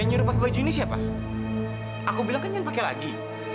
hanya pakai baju ini siapa aku bilang klisted pake lagi